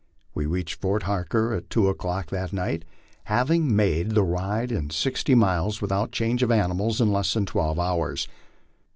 We reached Fort Harker at two o'clock that night, having made the ride of sixty miles without change of animals in less than twelve hours.